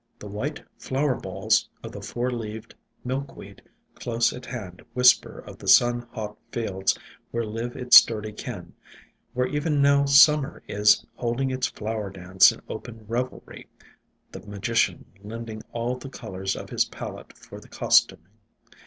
The white flower balls of the Four leaved Milkweed close at hand whisper of the sun hot fields where live its sturdy kin, where even now Summer is holding its flower dance in open revelry, the Ma gician lending all the colors of his palette for the costuming.